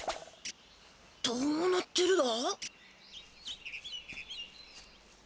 どうなってるだ？